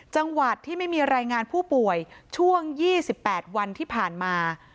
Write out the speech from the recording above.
จังหวัดที่ไม่มีรายงานผู้ป่วยช่วง๒๘วันที่ผ่านมา